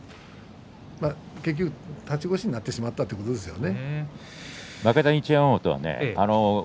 結局、立ち腰になってしまったということですよね。